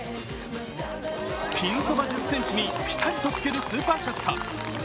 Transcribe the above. ピンそば１０ｃｍにぴたりとつけるスーパーショット。